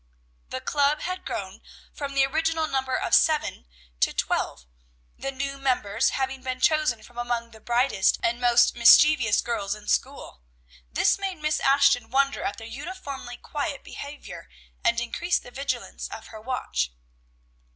The club had grown from the original number of seven, to twelve, the new members having been chosen from among the brightest and most mischievous girls in school. This made Miss Ashton wonder at their uniformly quiet behavior, and increased the vigilance of her watch.